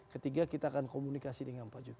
ketiga kita akan komunikasi dengan pak jokowi